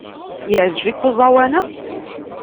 Yeɛjeb-ik uẓawan-a?